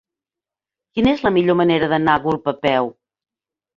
Quina és la millor manera d'anar a Gurb a peu?